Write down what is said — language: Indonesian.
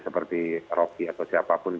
seperti rocky atau siapapun